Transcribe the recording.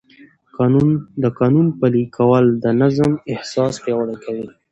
د قانون پلي کول د نظم احساس پیاوړی کوي.